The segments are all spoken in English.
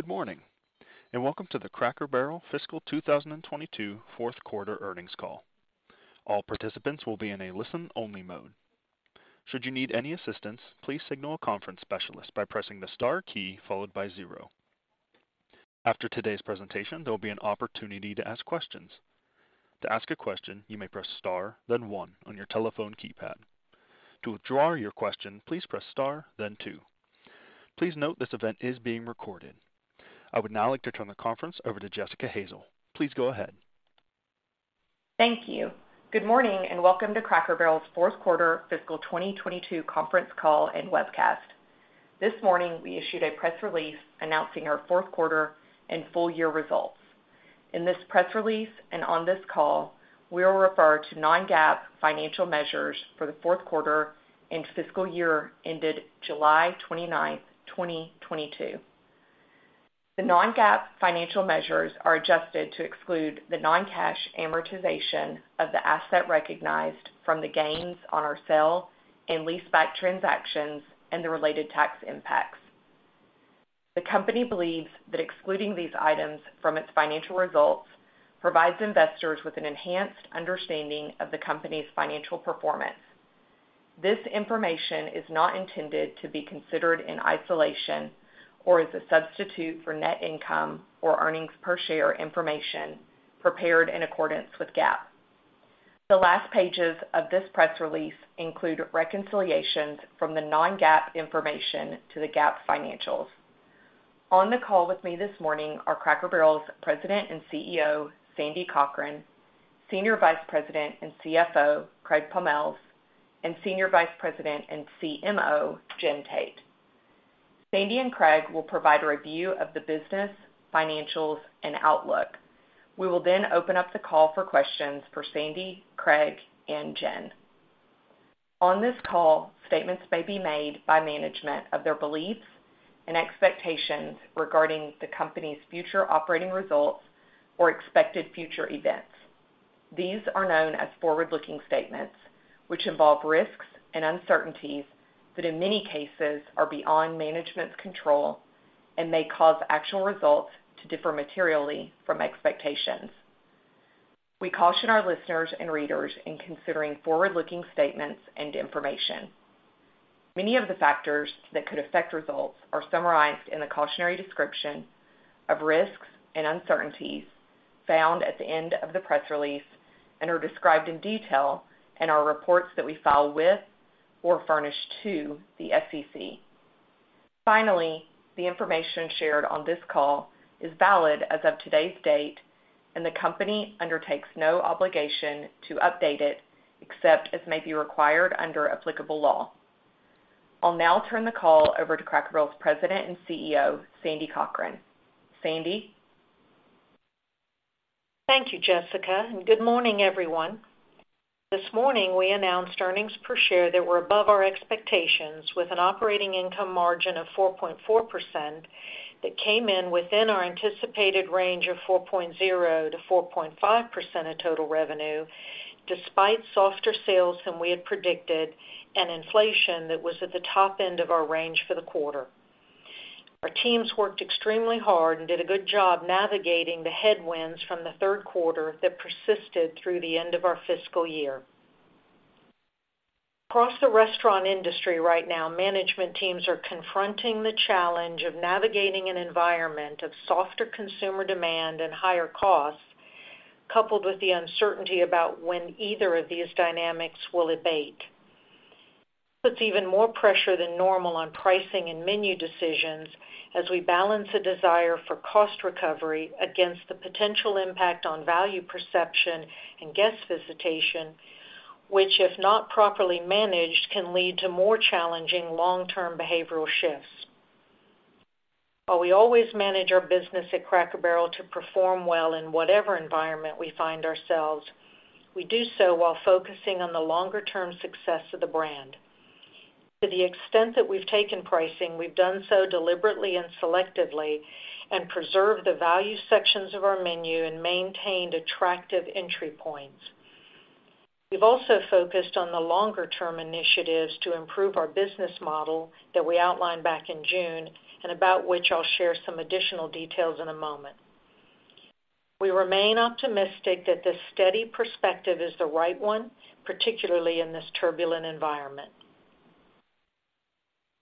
Good morning, and welcome to the Cracker Barrel fiscal 2022 fourth quarter earnings call. All participants will be in a listen-only mode. Should you need any assistance, please signal a conference specialist by pressing the star key followed by zero. After today's presentation, there will be an opportunity to ask questions. To ask a question, you may press star then one on your telephone keypad. To withdraw your question, please press star then two. Please note this event is being recorded. I would now like to turn the conference over to Jessica Hazel. Please go ahead. Thank you. Good morning and welcome to Cracker Barrel's fourth quarter fiscal 2022 conference call and webcast. This morning, we issued a press release announcing our fourth quarter and full year results. In this press release and on this call, we will refer to non-GAAP financial measures for the fourth quarter and fiscal year ended July 29, 2022. The non-GAAP financial measures are adjusted to exclude the non-cash amortization of the asset recognized from the gains on our sale and leaseback transactions and the related tax impacts. The company believes that excluding these items from its financial results provides investors with an enhanced understanding of the company's financial performance. This information is not intended to be considered in isolation or as a substitute for net income or earnings per share information prepared in accordance with GAAP. The last pages of this press release include reconciliations from the non-GAAP information to the GAAP financials. On the call with me this morning are Cracker Barrel's President and CEO, Sandy Cochran, Senior Vice President and CFO, Craig Pommells, and Senior Vice President and CMO, Jen Tate. Sandy and Craig will provide a review of the business, financials, and outlook. We will then open up the call for questions for Sandy, Craig, and Jen. On this call, statements may be made by management of their beliefs and expectations regarding the company's future operating results or expected future events. These are known as forward-looking statements, which involve risks and uncertainties that in many cases are beyond management's control and may cause actual results to differ materially from expectations. We caution our listeners and readers in considering forward-looking statements and information. Many of the factors that could affect results are summarized in the cautionary description of risks and uncertainties found at the end of the press release and are described in detail in our reports that we file with or furnish to the SEC. Finally, the information shared on this call is valid as of today's date, and the company undertakes no obligation to update it except as may be required under applicable law. I'll now turn the call over to Cracker Barrel's President and CEO, Sandy Cochran. Sandy? Thank you, Jessica, and good morning, everyone. This morning, we announced earnings per share that were above our expectations with an operating income margin of 4.4% that came in within our anticipated range of 4.0%-4.5% of total revenue despite softer sales than we had predicted and inflation that was at the top end of our range for the quarter. Our teams worked extremely hard and did a good job navigating the headwinds from the third quarter that persisted through the end of our fiscal year. Across the restaurant industry right now, management teams are confronting the challenge of navigating an environment of softer consumer demand and higher costs, coupled with the uncertainty about when either of these dynamics will abate. Puts even more pressure than normal on pricing and menu decisions as we balance a desire for cost recovery against the potential impact on value perception and guest visitation, which, if not properly managed, can lead to more challenging long-term behavioral shifts. While we always manage our business at Cracker Barrel to perform well in whatever environment we find ourselves, we do so while focusing on the longer-term success of the brand. To the extent that we've taken pricing, we've done so deliberately and selectively and preserved the value sections of our menu and maintained attractive entry points. We've also focused on the longer-term initiatives to improve our business model that we outlined back in June and about which I'll share some additional details in a moment. We remain optimistic that this steady perspective is the right one, particularly in this turbulent environment.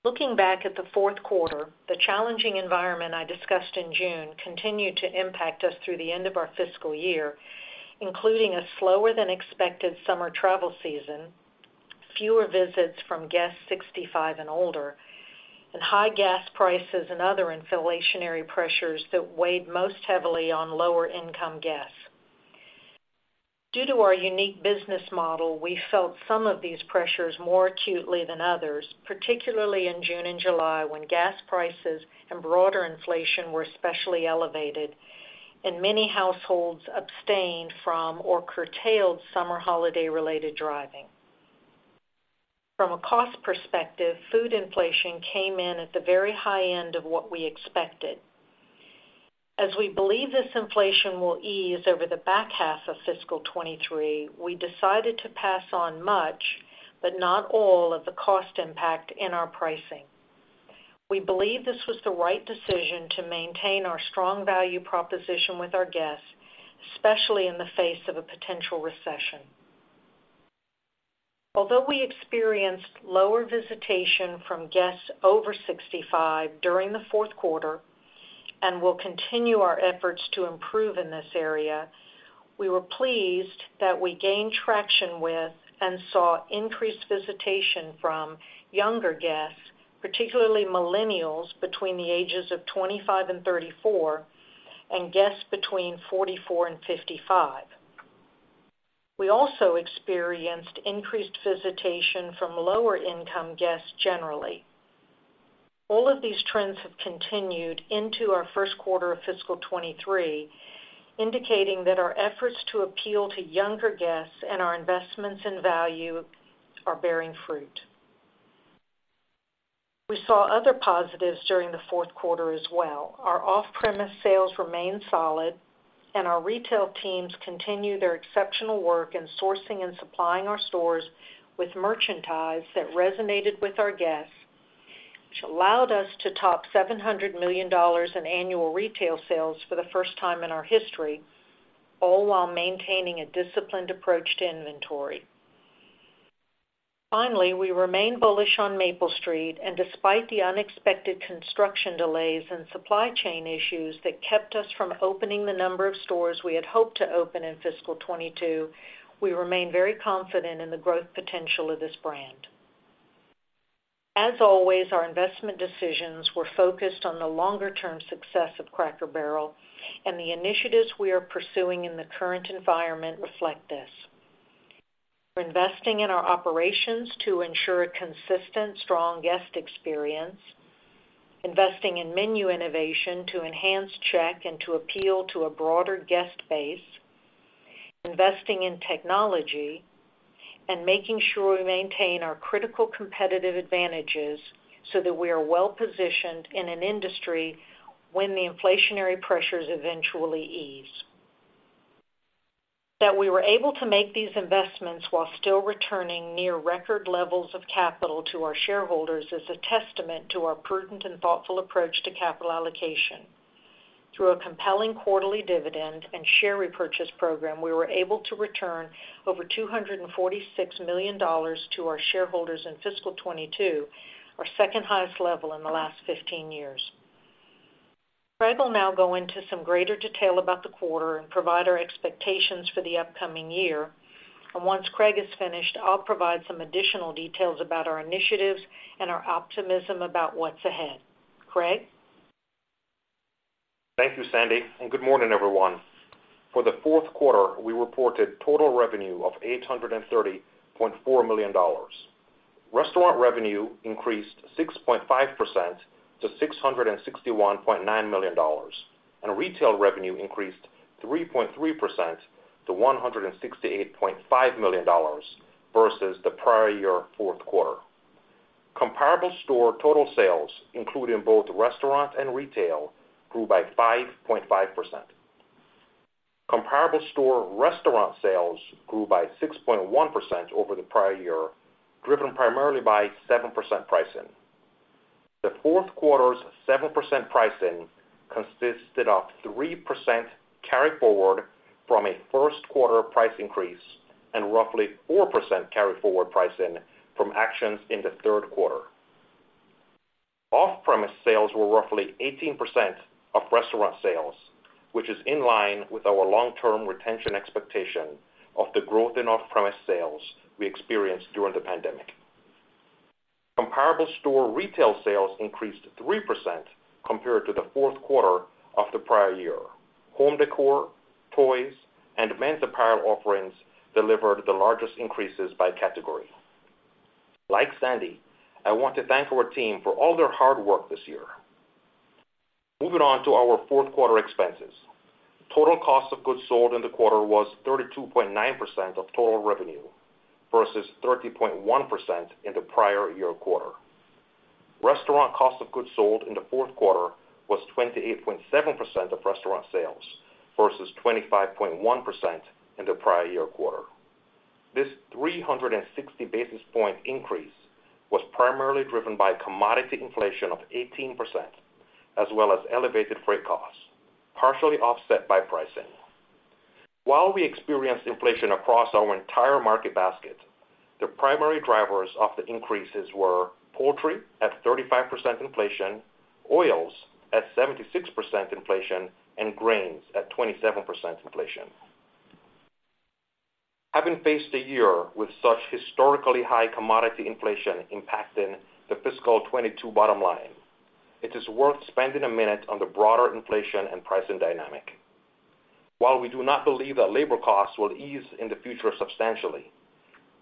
Looking back at the fourth quarter, the challenging environment I discussed in June continued to impact us through the end of our fiscal year, including a slower than expected summer travel season, fewer visits from guests 65 and older, and high gas prices and other inflationary pressures that weighed most heavily on lower income guests. Due to our unique business model, we felt some of these pressures more acutely than others, particularly in June and July when gas prices and broader inflation were especially elevated and many households abstained from or curtailed summer holiday related driving. From a cost perspective, food inflation came in at the very high end of what we expected. As we believe this inflation will ease over the back half of fiscal 2023, we decided to pass on much but not all of the cost impact in our pricing. We believe this was the right decision to maintain our strong value proposition with our guests, especially in the face of a potential recession. Although we experienced lower visitation from guests over 65 during the fourth quarter, and we'll continue our efforts to improve in this area, we were pleased that we gained traction with and saw increased visitation from younger guests, particularly millennials between the ages of 25 and 34, and guests between 44 and 55. We also experienced increased visitation from lower income guests generally. All of these trends have continued into our first quarter of fiscal 2023, indicating that our efforts to appeal to younger guests and our investments in value are bearing fruit. We saw other positives during the fourth quarter as well. Our off-premise sales remained solid, and our retail teams continued their exceptional work in sourcing and supplying our stores with merchandise that resonated with our guests, which allowed us to top $700 million in annual retail sales for the first time in our history, all while maintaining a disciplined approach to inventory. Finally, we remain bullish on Maple Street, and despite the unexpected construction delays and supply chain issues that kept us from opening the number of stores we had hoped to open in fiscal 2022, we remain very confident in the growth potential of this brand. As always, our investment decisions were focused on the longer-term success of Cracker Barrel, and the initiatives we are pursuing in the current environment reflect this. We're investing in our operations to ensure a consistent, strong guest experience, investing in menu innovation to enhance check and to appeal to a broader guest base, investing in technology and making sure we maintain our critical competitive advantages so that we are well positioned in an industry when the inflationary pressures eventually ease. That we were able to make these investments while still returning near record levels of capital to our shareholders is a testament to our prudent and thoughtful approach to capital allocation. Through a compelling quarterly dividend and share repurchase program, we were able to return over $246 million to our shareholders in fiscal 2022, our second highest level in the last 15 years. Craig will now go into some greater detail about the quarter and provide our expectations for the upcoming year. Once Craig is finished, I'll provide some additional details about our initiatives and our optimism about what's ahead. Craig? Thank you, Sandy, and good morning, everyone. For the fourth quarter, we reported total revenue of $830.4 million. Restaurant revenue increased 6.5% to $661.9 million, and retail revenue increased 3.3% to $168.5 million versus the prior year fourth quarter. Comparable store total sales, including both restaurant and retail, grew by 5.5%. Comparable store restaurant sales grew by 6.1% over the prior year, driven primarily by 7% pricing. The fourth quarter's 7% pricing consisted of 3% carryforward from a first quarter price increase and roughly 4% carryforward pricing from actions in the third quarter. Off-premise sales were roughly 18% of restaurant sales, which is in line with our long-term retention expectation of the growth in off-premise sales we experienced during the pandemic. Comparable store retail sales increased 3% compared to the fourth quarter of the prior year. Home decor, toys, and men's apparel offerings delivered the largest increases by category. Like Sandy, I want to thank our team for all their hard work this year. Moving on to our fourth quarter expenses. Total cost of goods sold in the quarter was 32.9% of total revenue versus 30.1% in the prior year quarter. Restaurant cost of goods sold in the fourth quarter was 28.7% of restaurant sales versus 25.1% in the prior year quarter. This 360 basis point increase was primarily driven by commodity inflation of 18% as well as elevated freight costs, partially offset by pricing. While we experienced inflation across our entire market basket, the primary drivers of the increases were poultry at 35% inflation, oils at 76% inflation, and grains at 27% inflation. Having faced a year with such historically high commodity inflation impacting the fiscal 2022 bottom line, it is worth spending a minute on the broader inflation and pricing dynamic. While we do not believe that labor costs will ease in the future substantially,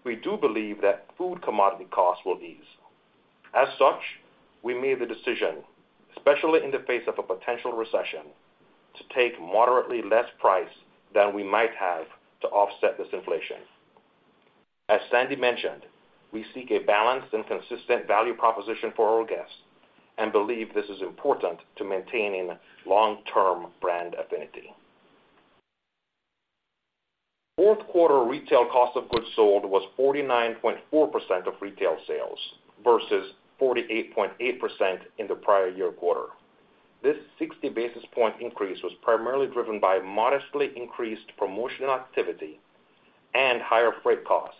we do believe that food commodity costs will ease. As such, we made the decision, especially in the face of a potential recession, to take moderately less price than we might have to offset this inflation. As Sandy mentioned, we seek a balanced and consistent value proposition for our guests and believe this is important to maintaining long-term brand affinity. Fourth quarter retail cost of goods sold was 49.4% of retail sales versus 48.8% in the prior year quarter. This 60 basis point increase was primarily driven by modestly increased promotional activity and higher freight costs,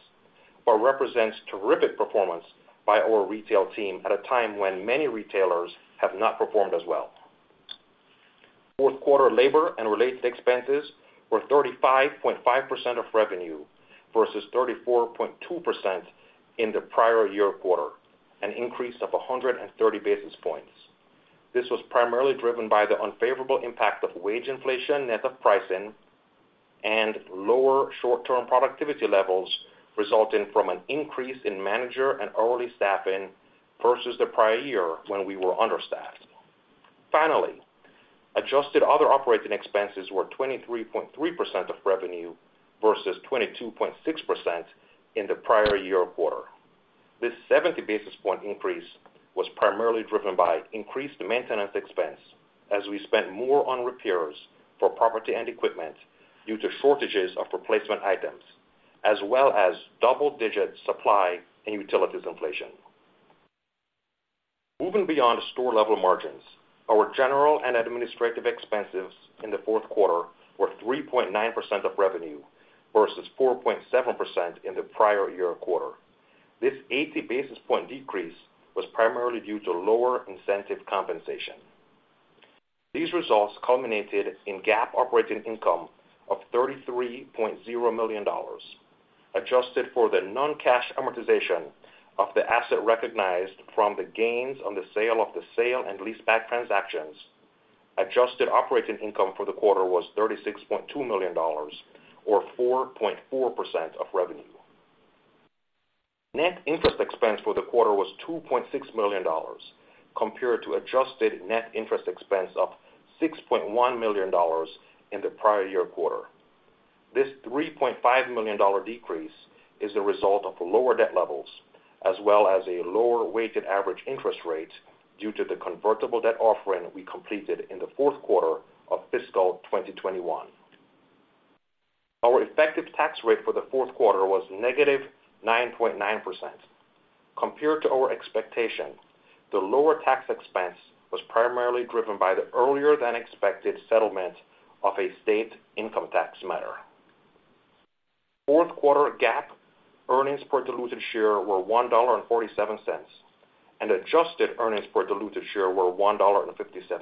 but represents terrific performance by our retail team at a time when many retailers have not performed as well. Fourth quarter labor and related expenses were 35.5% of revenue versus 34.2% in the prior year quarter, an increase of 130 basis points. This was primarily driven by the unfavorable impact of wage inflation net of pricing and lower short-term productivity levels resulting from an increase in manager and hourly staffing versus the prior year when we were understaffed. Finally, adjusted other operating expenses were 23.3% of revenue versus 22.6% in the prior year quarter. This 70 basis point increase was primarily driven by increased maintenance expense as we spent more on repairs for property and equipment due to shortages of replacement items, as well as double-digit supply and utilities inflation. Moving beyond store-level margins, our general and administrative expenses in the fourth quarter were 3.9% of revenue versus 4.7% in the prior year quarter. This 80 basis point decrease was primarily due to lower incentive compensation. These results culminated in GAAP operating income of $33.0 million. Adjusted for the non-cash amortization of the asset recognized from the gains on the sale of the sale and leaseback transactions, adjusted operating income for the quarter was $36.2 million or 4.4% of revenue. Net interest expense for the quarter was $2.6 million compared to adjusted net interest expense of $6.1 million in the prior year quarter. This $3.5 million decrease is the result of lower debt levels as well as a lower weighted average interest rate due to the convertible debt offering we completed in the fourth quarter of fiscal 2021. Our effective tax rate for the fourth quarter was -9.9%. Compared to our expectations, the lower tax expense was primarily driven by the earlier than expected settlement of a state income tax matter. Fourth quarter GAAP earnings per diluted share were $1.47, and adjusted earnings per diluted share were $1.57.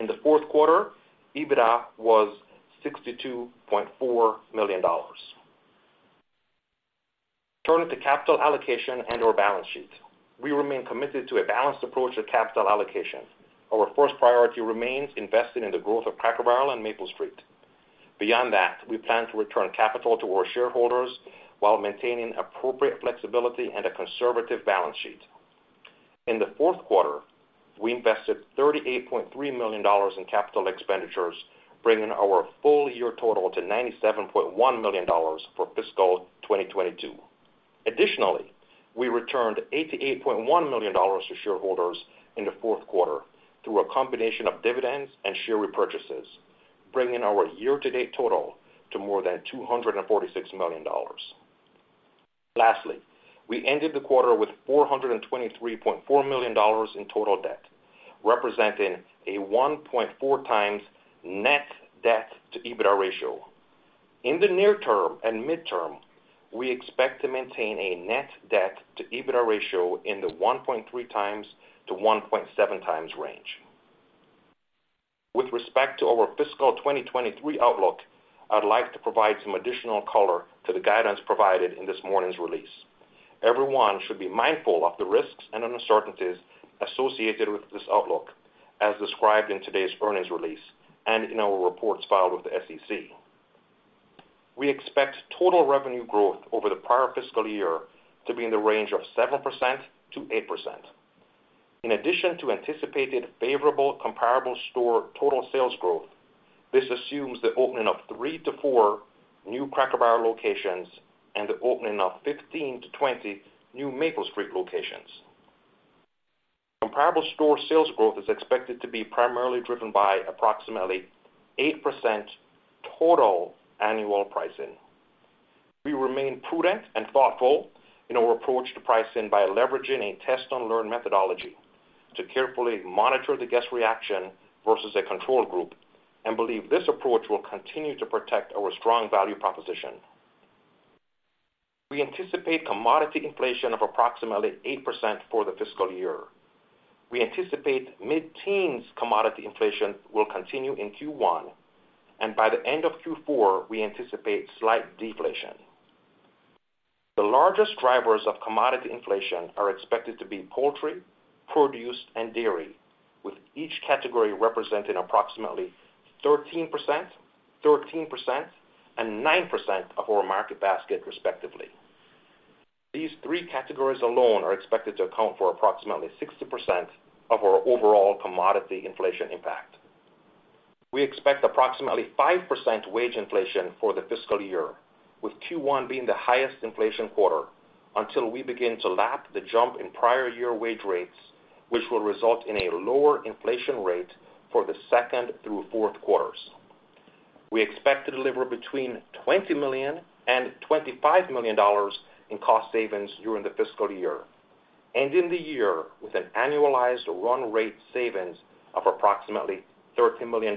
In the fourth quarter, EBITDA was $62.4 million. Turning to capital allocation and our balance sheet. We remain committed to a balanced approach to capital allocation. Our first priority remains investing in the growth of Cracker Barrel and Maple Street. Beyond that, we plan to return capital to our shareholders while maintaining appropriate flexibility and a conservative balance sheet. In the fourth quarter, we invested $38.3 million in capital expenditures, bringing our full year total to $97.1 million for fiscal 2022. Additionally, we returned $88.1 million to shareholders in the fourth quarter through a combination of dividends and share repurchases, bringing our year-to-date total to more than $246 million. Lastly, we ended the quarter with $423.4 million in total debt, representing a 1.4x net debt to EBITDA ratio. In the near term and midterm, we expect to maintain a net debt to EBITDA ratio in the 1.3x-1.7x range. With respect to our fiscal 2023 outlook, I'd like to provide some additional color to the guidance provided in this morning's release. Everyone should be mindful of the risks and uncertainties associated with this outlook, as described in today's earnings release and in our reports filed with the SEC. We expect total revenue growth over the prior fiscal year to be in the range of 7%-8%. In addition to anticipated favorable comparable store total sales growth, this assumes the opening of three to four new Cracker Barrel locations and the opening of 15-20 new Maple Street locations. Comparable store sales growth is expected to be primarily driven by approximately 8% total annual pricing. We remain prudent and thoughtful in our approach to pricing by leveraging a test-and-learn methodology to carefully monitor the guest reaction versus a control group and believe this approach will continue to protect our strong value proposition. We anticipate commodity inflation of approximately 8% for the fiscal year. We anticipate mid-teens commodity inflation will continue in Q1, and by the end of Q4, we anticipate slight deflation. The largest drivers of commodity inflation are expected to be poultry, produce, and dairy, with each category representing approximately 13%, 13%, and 9% of our market basket, respectively. These three categories alone are expected to account for approximately 60% of our overall commodity inflation impact. We expect approximately 5% wage inflation for the fiscal year, with Q1 being the highest inflation quarter until we begin to lap the jump in prior year wage rates, which will result in a lower inflation rate for the second through fourth quarters. We expect to deliver between $20 million and $25 million in cost savings during the fiscal year, and end the year with an annualized run rate savings of approximately $13 million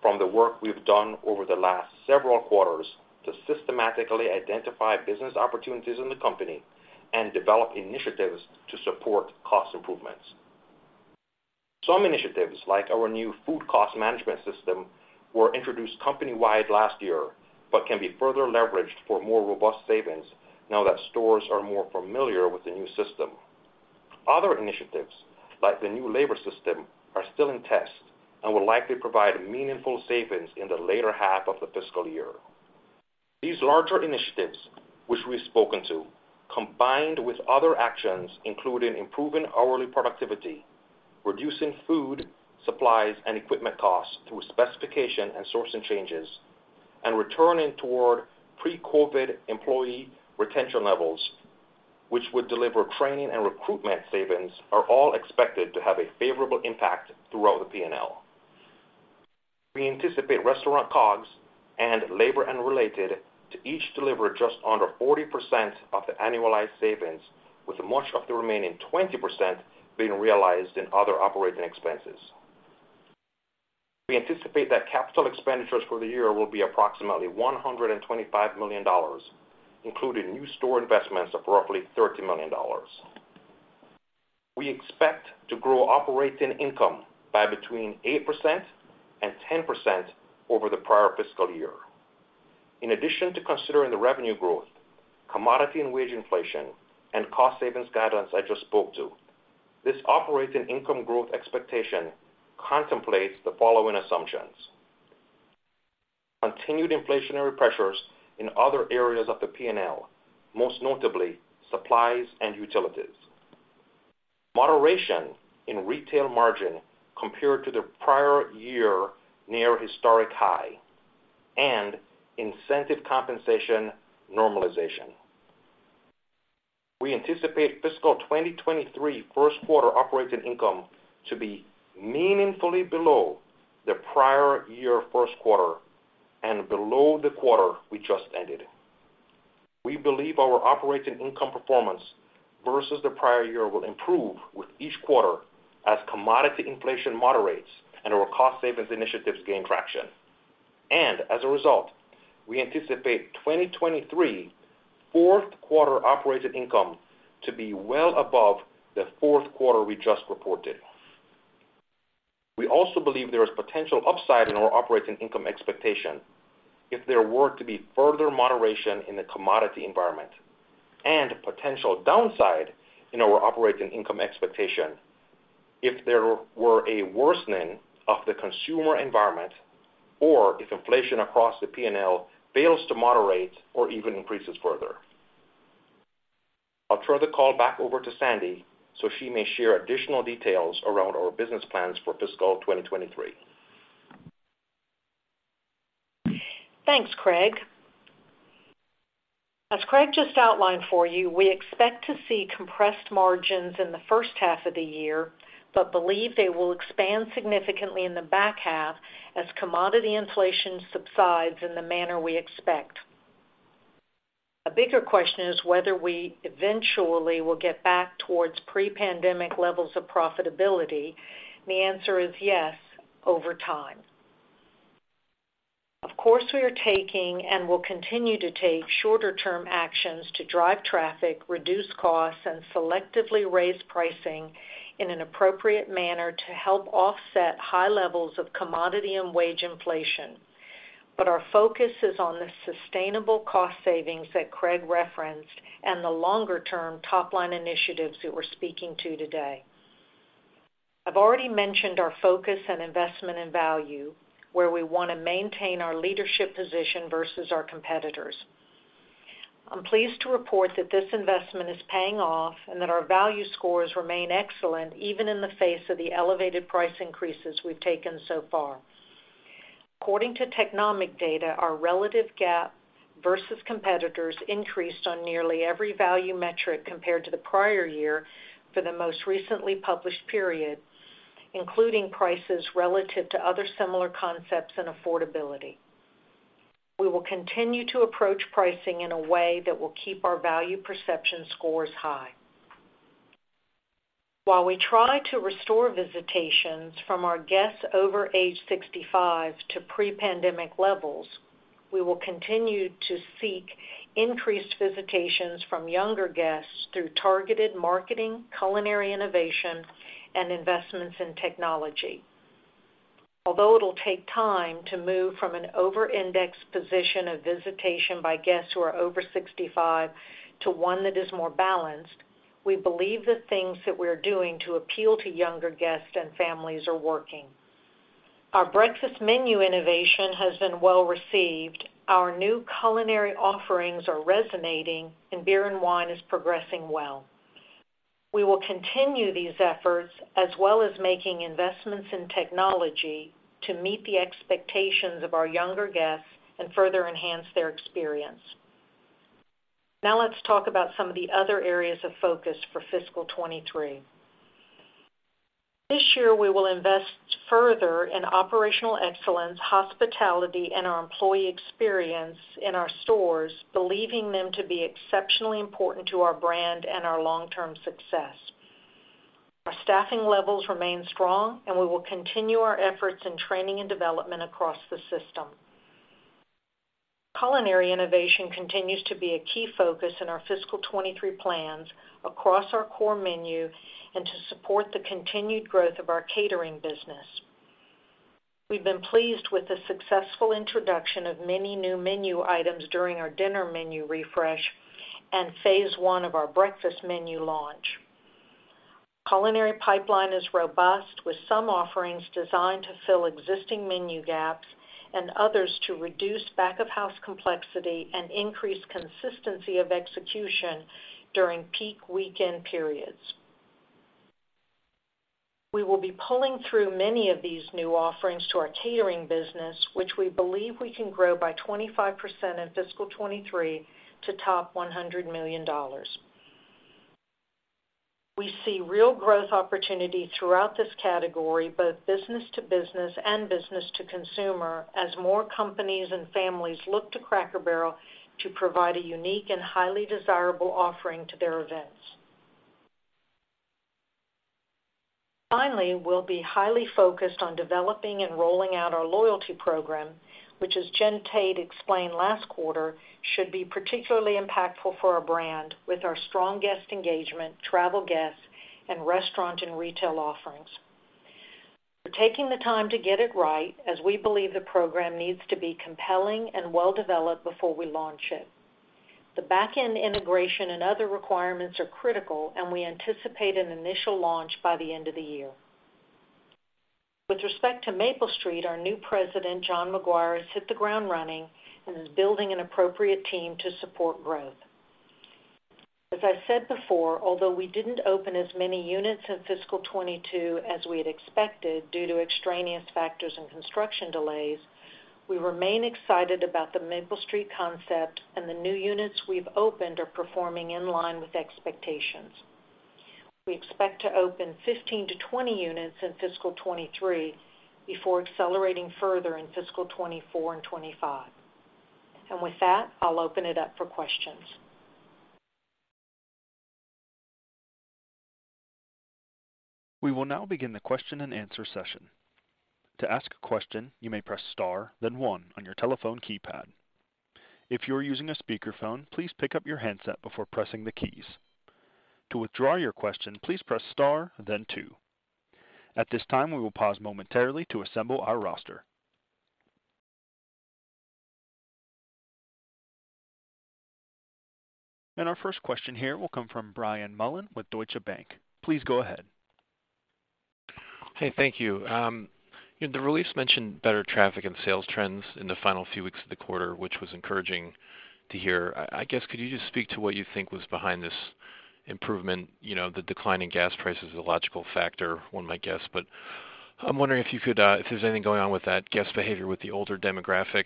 from the work we've done over the last several quarters to systematically identify business opportunities in the company and develop initiatives to support cost improvements. Some initiatives, like our new food cost management system, were introduced company-wide last year, but can be further leveraged for more robust savings now that stores are more familiar with the new system. Other initiatives, like the new labor system, are still in test and will likely provide meaningful savings in the later half of the fiscal year. These larger initiatives, which we've spoken to, combined with other actions including improving hourly productivity, reducing food, supplies, and equipment costs through specification and sourcing changes, and returning toward pre-COVID employee retention levels, which would deliver training and recruitment savings, are all expected to have a favorable impact throughout the P&L. We anticipate restaurant COGS and labor and related to each deliver just under 40% of the annualized savings, with much of the remaining 20% being realized in other operating expenses. We anticipate that capital expenditures for the year will be approximately $125 million, including new store investments of roughly $30 million. We expect to grow operating income by between 8% and 10% over the prior fiscal year. In addition to considering the revenue growth, commodity and wage inflation, and cost savings guidance I just spoke to, this operating income growth expectation contemplates the following assumptions. Continued inflationary pressures in other areas of the P&L, most notably supplies and utilities. Moderation in retail margin compared to the prior year near historic high and incentive compensation normalization. We anticipate fiscal 2023 first quarter operating income to be meaningfully below the prior year first quarter and below the quarter we just ended. We believe our operating income performance versus the prior year will improve with each quarter as commodity inflation moderates and our cost savings initiatives gain traction. As a result, we anticipate 2023 fourth quarter operating income to be well above the fourth quarter we just reported. We also believe there is potential upside in our operating income expectation if there were to be further moderation in the commodity environment and potential downside in our operating income expectation if there were a worsening of the consumer environment or if inflation across the P&L fails to moderate or even increases further. I'll throw the call back over to Sandy so she may share additional details around our business plans for fiscal 2023. Thanks, Craig. As Craig just outlined for you, we expect to see compressed margins in the first half of the year, but believe they will expand significantly in the back half as commodity inflation subsides in the manner we expect. A bigger question is whether we eventually will get back towards pre-pandemic levels of profitability, and the answer is yes, over time. Of course, we are taking and will continue to take shorter-term actions to drive traffic, reduce costs, and selectively raise pricing in an appropriate manner to help offset high levels of commodity and wage inflation. Our focus is on the sustainable cost savings that Craig referenced and the longer-term top-line initiatives that we're speaking to today. I've already mentioned our focus and investment in value, where we want to maintain our leadership position versus our competitors. I'm pleased to report that this investment is paying off and that our value scores remain excellent even in the face of the elevated price increases we've taken so far. According to Technomic data, our relative gap versus competitors increased on nearly every value metric compared to the prior year for the most recently published period, including prices relative to other similar concepts and affordability. We will continue to approach pricing in a way that will keep our value perception scores high. While we try to restore visitations from our guests over age 65 to pre-pandemic levels, we will continue to seek increased visitations from younger guests through targeted marketing, culinary innovation, and investments in technology. Although it'll take time to move from an over-indexed position of visitation by guests who are over 65 to one that is more balanced, we believe the things that we're doing to appeal to younger guests and families are working. Our breakfast menu innovation has been well received. Our new culinary offerings are resonating, and beer and wine is progressing well. We will continue these efforts, as well as making investments in technology to meet the expectations of our younger guests and further enhance their experience. Now let's talk about some of the other areas of focus for fiscal 2023. This year, we will invest further in operational excellence, hospitality, and our employee experience in our stores, believing them to be exceptionally important to our brand and our long-term success. Our staffing levels remain strong, and we will continue our efforts in training and development across the system. Culinary innovation continues to be a key focus in our fiscal 2023 plans across our core menu and to support the continued growth of our catering business. We've been pleased with the successful introduction of many new menu items during our dinner menu refresh and phase one of our breakfast menu launch. Culinary pipeline is robust, with some offerings designed to fill existing menu gaps and others to reduce back-of-house complexity and increase consistency of execution during peak weekend periods. We will be pulling through many of these new offerings to our catering business, which we believe we can grow by 25% in fiscal 2023 to top $100 million. We see real growth opportunity throughout this category, both business to business and business to consumer, as more companies and families look to Cracker Barrel to provide a unique and highly desirable offering to their events. Finally, we'll be highly focused on developing and rolling out our loyalty program, which, as Jen Tate explained last quarter, should be particularly impactful for our brand with our strong guest engagement, travel guests, and restaurant and retail offerings. We're taking the time to get it right as we believe the program needs to be compelling and well-developed before we launch it. The back-end integration and other requirements are critical, and we anticipate an initial launch by the end of the year. With respect to Maple Street, our new president, John McGuire, has hit the ground running and is building an appropriate team to support growth. As I said before, although we didn't open as many units in fiscal 2022 as we had expected due to extraneous factors and construction delays, we remain excited about the Maple Street concept, and the new units we've opened are performing in line with expectations. We expect to open 15-20 units in fiscal 2023 before accelerating further in fiscal 2024 and 2025. With that, I'll open it up for questions. We will now begin the question-and-answer session. To ask a question, you may press star, then 1 on your telephone keypad. If you are using a speakerphone, please pick up your handset before pressing the keys. To withdraw your question, please press star, then 2. At this time, we will pause momentarily to assemble our roster. Our first question here will come from Brian Mullan with Deutsche Bank. Please go ahead. Hey, thank you. The release mentioned better traffic and sales trends in the final few weeks of the quarter, which was encouraging to hear. I guess could you just speak to what you think was behind this improvement? You know, the decline in gas prices is a logical factor, one might guess, but I'm wondering if you could, if there's anything going on with that guest behavior with the older demographic.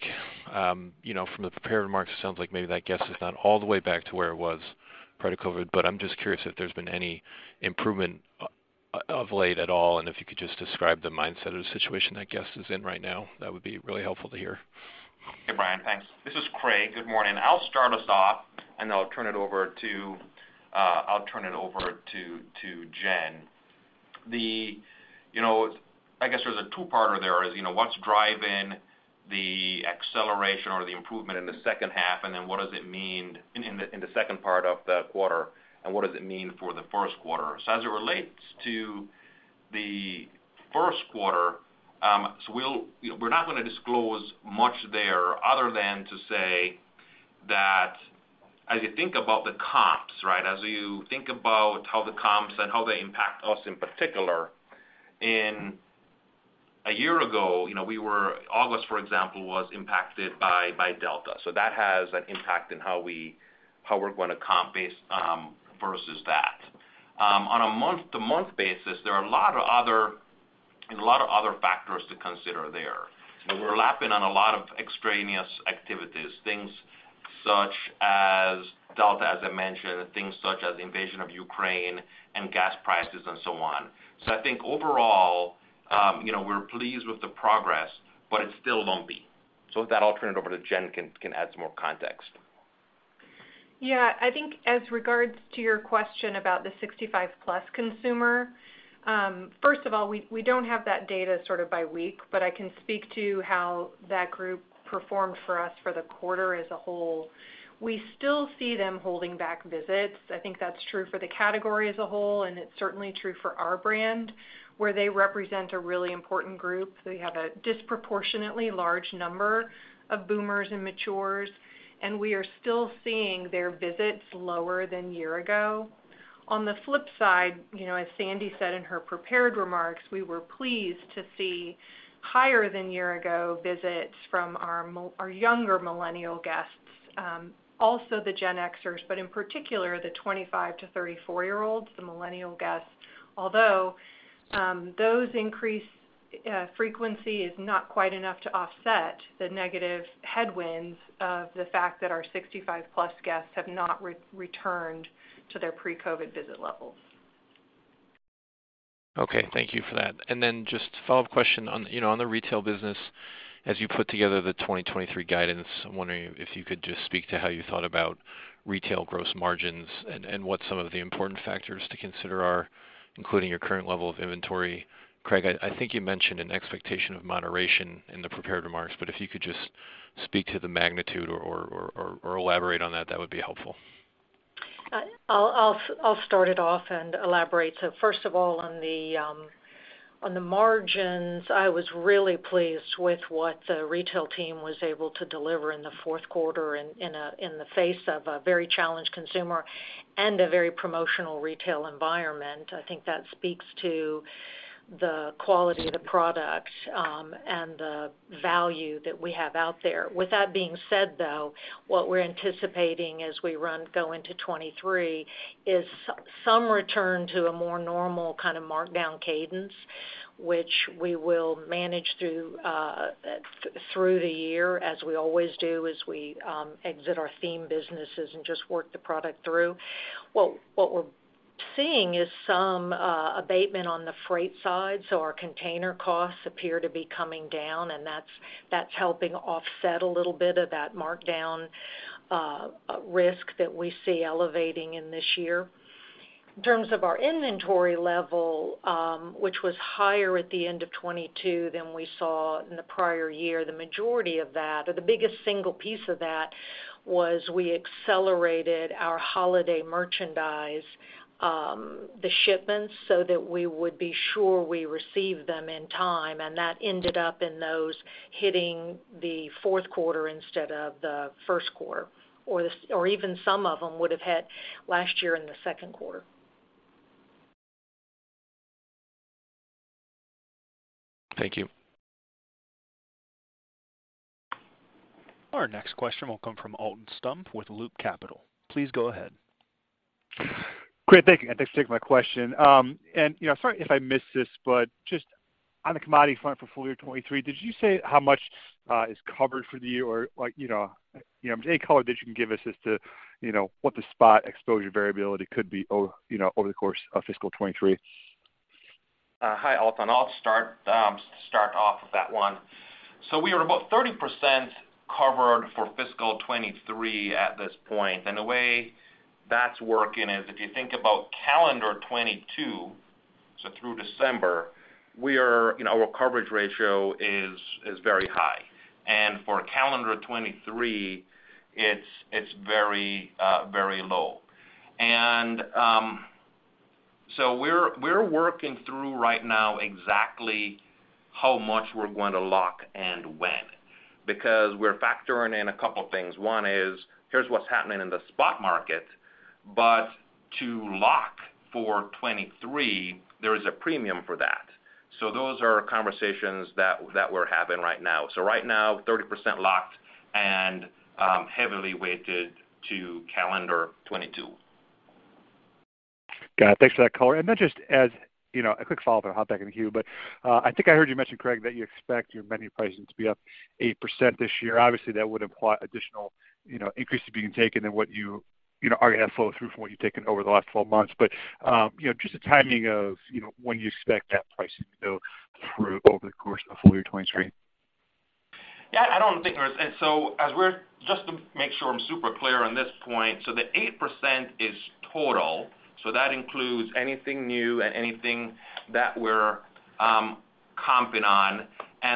You know, from the prepared remarks, it sounds like maybe that guest is not all the way back to where it was pre-COVID, but I'm just curious if there's been any improvement of late at all, and if you could just describe the mindset of the situation that guest is in right now, that would be really helpful to hear. Hey, Brian, thanks. This is Craig. Good morning. I'll start us off, and then I'll turn it over to Jen. You know, I guess there's a two-parter there is, you know, what's driving the acceleration or the improvement in the second half, and then what does it mean in the second part of the quarter, and what does it mean for the first quarter? As it relates to the first quarter, we're not gonna disclose much there other than to say that as you think about the comps, right? As you think about how the comps and how they impact us in particular, in a year ago, you know, we were— August, for example, was impacted by Delta. That has an impact in how we're going to comp base versus that. On a month-to-month basis, there's a lot of other factors to consider there. We're lapping on a lot of extraneous activities, things such as Delta, as I mentioned, things such as the invasion of Ukraine and gas prices and so on. I think overall, you know, we're pleased with the progress, but it's still lumpy. With that, I'll turn it over to Jen can add some more context. Yeah. I think as regards to your question about the 65+ consumer, first of all, we don't have that data sort of by week, but I can speak to how that group performed for us for the quarter as a whole. We still see them holding back visits. I think that's true for the category as a whole, and it's certainly true for our brand, where they represent a really important group. We have a disproportionately large number of boomers and matures, and we are still seeing their visits lower than year-ago. On the flip side, you know, as Sandy said in her prepared remarks, we were pleased to see higher than year-ago visits from our younger millennial guests, also the Gen Xers, but in particular the 25-34 year old, the millennial guests. Although the increase in frequency is not quite enough to offset the negative headwinds of the fact that our 65+ guests have not returned to their pre-COVID visit levels. Okay, thank you for that. Just a follow-up question on, you know, on the retail business. As you put together the 2023 guidance, I'm wondering if you could just speak to how you thought about retail gross margins and what some of the important factors to consider are, including your current level of inventory. Craig, I think you mentioned an expectation of moderation in the prepared remarks, but if you could just speak to the magnitude or elaborate on that would be helpful. I'll start it off and elaborate. First of all, on the margins, I was really pleased with what the retail team was able to deliver in the fourth quarter in the face of a very challenged consumer and a very promotional retail environment. I think that speaks to the quality of the products and the value that we have out there. With that being said, though, what we're anticipating as we go into 2023 is some return to a more normal kind of markdown cadence, which we will manage through the year, as we always do as we exit our theme businesses and just work the product through. What we're seeing is some abatement on the freight side, so our container costs appear to be coming down, and that's helping offset a little bit of that markdown risk that we see elevating in this year. In terms of our inventory level, which was higher at the end of 2022 than we saw in the prior year, the majority of that or the biggest single piece of that was we accelerated our holiday merchandise the shipments so that we would be sure we received them in time. That ended up in those hitting the fourth quarter instead of the first quarter, or even some of them would have hit last year in the second quarter. Thank you. Our next question will come from Alton Stump with Loop Capital. Please go ahead. Great. Thank you. Thanks for taking my question. You know, sorry if I missed this, but just on the commodity front for full year 2023, did you say how much is covered for the year? Or like, you know, any color that you can give us as to, you know, what the spot exposure variability could be over the course of fiscal 2023? Hi, Alton. I'll start off with that one. We are about 30% covered for fiscal 2023 at this point. The way that's working is if you think about calendar 2022, through December, we are, you know, our coverage ratio is very high. For calendar 2023, it's very low. We're working through right now exactly how much we're going to lock and when, because we're factoring in a couple things. One is here's what's happening in the spot market. To lock for 2023, there is a premium for that. Those are conversations that we're having right now. Right now, 30% locked and heavily weighted to calendar 2022. Got it. Thanks for that color. Then just as, you know, a quick follow-up and hop back in the queue. I think I heard you mention, Craig, that you expect your menu pricing to be up 8% this year. Obviously, that would imply additional, you know, increases being taken than what you know, are gonna have flow through from what you've taken over the last 12 months. You know, just the timing of, you know, when you expect that pricing to go through over the course of full year 2023. Yeah, I don't think there is. Just to make sure I'm super clear on this point, the 8% is total, so that includes anything new and anything that we're comping on.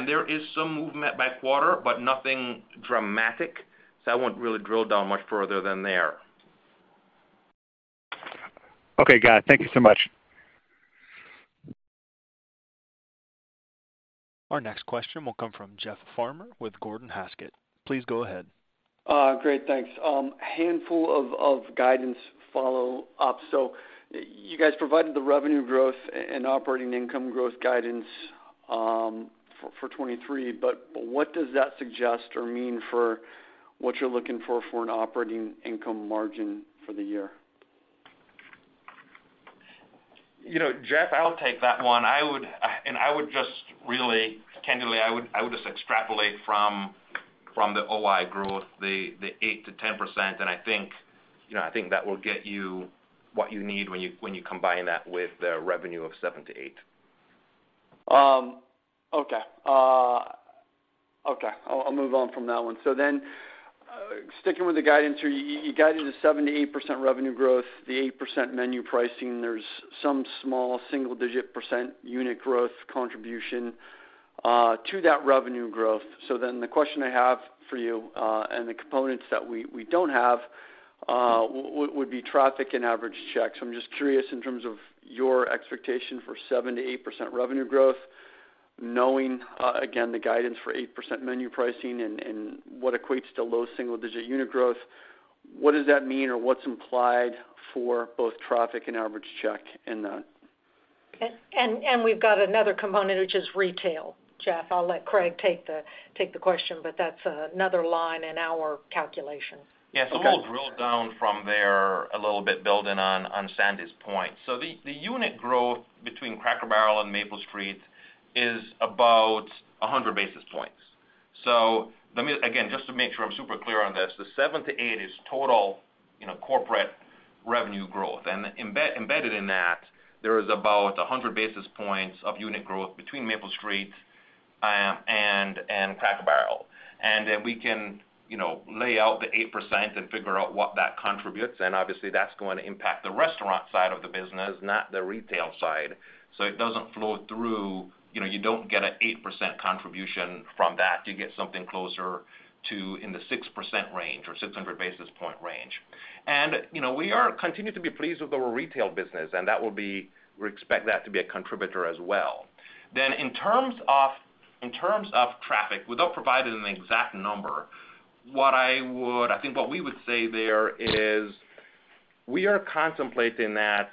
There is some movement by quarter, but nothing dramatic. I won't really drill down much further than there. Okay, got it. Thank you so much. Our next question will come from Jeff Farmer with Gordon Haskett. Please go ahead. Great. Thanks. Handful of guidance follow up. You guys provided the revenue growth and operating income growth guidance for 2023, but what does that suggest or mean for what you're looking for an operating income margin for the year? You know, Jeff, I'll take that one. I would just really, candidly, extrapolate from the OI growth, the 8%-10%. I think, you know, that will get you what you need when you combine that with the revenue of 7%-8%. Okay. I'll move on from that one. Sticking with the guidance here, you guided the 7%-8% revenue growth, the 8% menu pricing. There's some small single-digit percent unit growth contribution to that revenue growth. The question I have for you and the components that we don't have would be traffic and average checks. I'm just curious in terms of your expectation for 7%-8% revenue growth, knowing again the guidance for 8% menu pricing and what equates to low single-digit unit growth, what does that mean or what's implied for both traffic and average check in that? We've got another component, which is retail. Jeff, I'll let Craig take the question, but that's another line in our calculation. Yeah. We'll drill down from there a little bit building on Sandy's point. The unit growth between Cracker Barrel and Maple Street is about 100 basis points. Let me again, just to make sure I'm super clear on this, the 7%-8% is total, you know, corporate revenue growth. Embedded in that, there is about 100 basis points of unit growth between Maple Street and Cracker Barrel. Then we can, you know, lay out the 8% and figure out what that contributes, and obviously, that's going to impact the restaurant side of the business, not the retail side. It doesn't flow through. You know, you don't get an 8% contribution from that. You get something closer to in the 6% range or 600 basis point range. You know, we are continuing to be pleased with our retail business, and that will be a contributor as well. In terms of traffic, without providing an exact number, I think what we would say there is we are contemplating that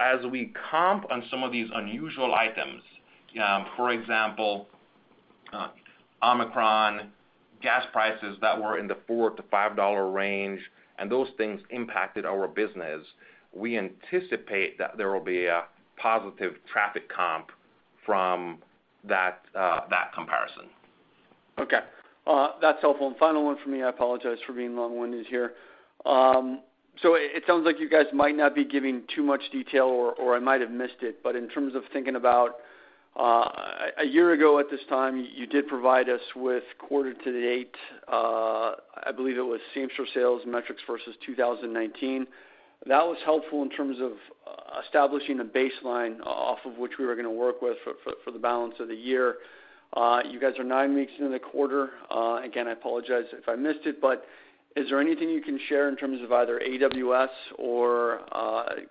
as we comp on some of these unusual items, for example, Omicron, gas prices that were in the $4-$5 range, and those things impacted our business. We anticipate that there will be a positive traffic comp from that comparison. Okay. That's helpful. Final one for me, I apologize for being long-winded here. So it sounds like you guys might not be giving too much detail or I might have missed it. In terms of thinking about a year ago at this time, you did provide us with quarter to date, I believe it was same-store sales metrics versus 2019. That was helpful in terms of establishing a baseline off of which we were gonna work with for the balance of the year. You guys are nine weeks into the quarter. Again, I apologize if I missed it, but is there anything you can share in terms of either AWS or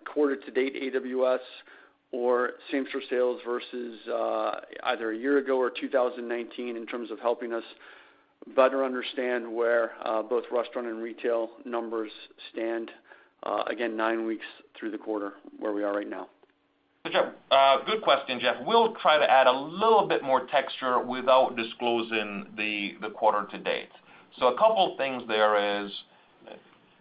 quarter to date AWS or same-store sales versus either a year ago or 2019 in terms of helping us better understand where both restaurant and retail numbers stand, again, nine weeks through the quarter where we are right now? Sure. Good question, Jeff. We'll try to add a little bit more texture without disclosing the quarter to date. A couple things there is